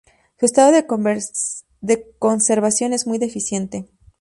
Su estado de conservación es muy deficiente.